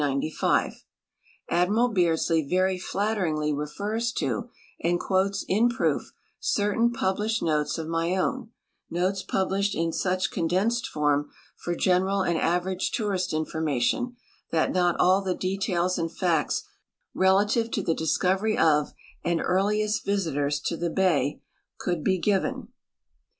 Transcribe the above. Admiral Beardslee very tlatteringly refers to and quotes in proof certain published notes of my own — notes puldished in such condensed form for general and average tourist information that not all the details and facts relative to the discoveiy of and earliest visitors to the bay could be given.